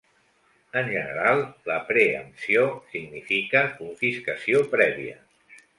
En general, la preempció significa "confiscació prèvia".